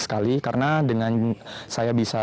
sekali karena dengan saya bisa